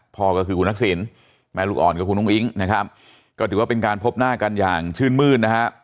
พ่อก็คือคุณทักษิณแม่ลูกอ่อนกับคุณอุ้งอิ๊งนะครับก็ถือว่าเป็นการพบหน้ากันอย่างชื่นมื้นนะฮะ